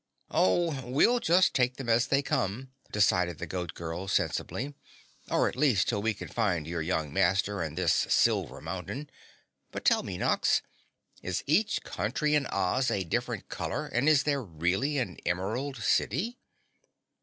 "Oh, we'll just take them as they come," decided the Goat Girl sensibly, "or at least, till we find your young Master and this Silver Mountain. But tell me, Nox, is each country in Oz a different color and is there really an Emerald City?"